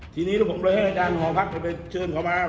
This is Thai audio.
ทีนี้ลูกผมเลยให้อาจารย์หอพักไปเชิญเขามา